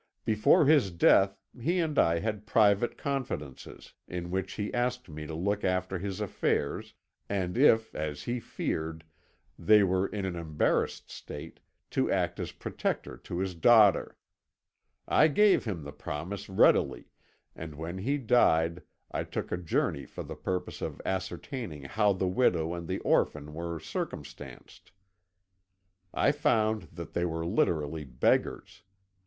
Before his death he and I had private confidences, in which he asked me to look after his affairs, and if, as he feared, they were in an embarrassed state, to act as protector to his daughter. I gave him the promise readily, and, when he died, I took a journey for the purpose of ascertaining how the widow and the orphan were circumstanced. I found that they were literally beggars.